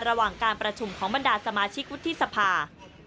ระหว่างการประชุมของบรรดาสมาชิกวุฒิสภา